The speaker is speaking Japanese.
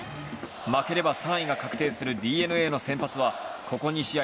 負ければ３位が確定するＤｅＮＡの先発はここ２試合